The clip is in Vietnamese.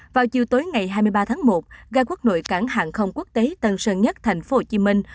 vào chiều tối ngày hai mươi ba tháng một ga quốc nội cảng hàng không quốc tế tân sơn nhất thành phố hồ chí minh